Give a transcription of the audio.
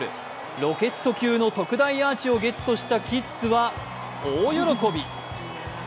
ロケット級の特大アーチをゲットしたキッズは大喜び。